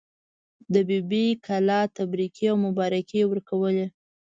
د بي بي کلا تبریکې او مبارکۍ یې ورکولې.